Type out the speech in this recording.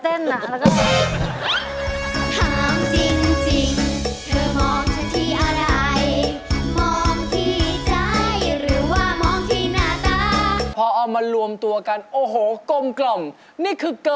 กลับบ้านเถิดหน้าท้องหน้ายังพอย